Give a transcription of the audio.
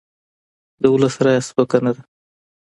د ولس رایه سپکه نه ده